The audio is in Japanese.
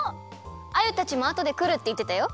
アユたちもあとでくるっていってたよ。